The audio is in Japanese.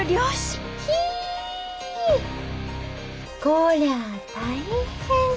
こりゃ大変。